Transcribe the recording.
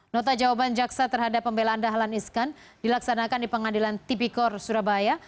nota jawaban jaksa terhadap pembelaan dahlan iskan dilaksanakan di pengadilan tipikor surabaya